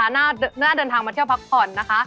ธรรมชาติที่สวยงามนะคะหน้าเดินทางมาเที่ยวพักผ่อนนะคะ